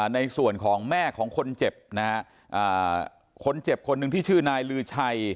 ในส่วนของแม่ของคนเจ็บนะฮะคนเจ็บคนหนึ่งที่ชื่อนายลือชัย